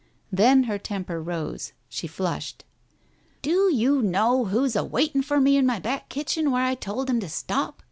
... Then her temper rose, she flushed. "Do you know who's awaiting for me in my back kitchen where I told him to stop